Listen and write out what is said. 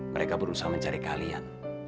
mereka berusaha mencari kalian